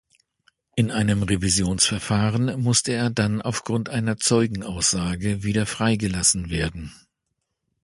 In einem Revisionsverfahren musste er dann aufgrund einer Zeugenaussage wieder freigelassen werden.